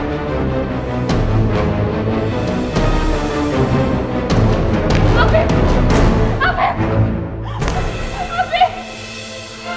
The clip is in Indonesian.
bella kamu sama siapa gak apa apa